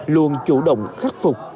luôn chủ động khắc phục